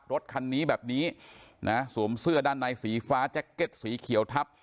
รถคันนี้แบบนี้นะสวมเสื้อด้านในสีฟ้าแจ็คเก็ตสีเขียวทับ